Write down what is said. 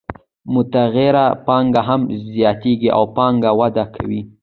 متغیره پانګه هم زیاتېږي او پانګه وده کوي